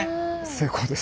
成功です。